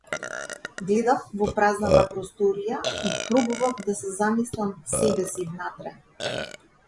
Гледав во празната просторија и пробував да се замислам себеси внатре.